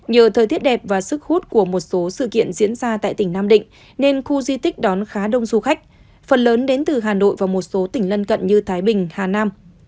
nhờ thời tiết đẹp và sức hút của một số sự kiện diễn ra tại tỉnh nam định nên khu di tích đón khá đông du khách phần lớn đến từ hà nội và một số tỉnh lân cận như thái bình hà nam